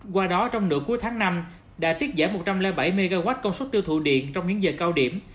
qua đó trong nửa cuối tháng năm đã tiết giảm một trăm linh bảy mw công suất tiêu thụ điện trong những giờ cao điểm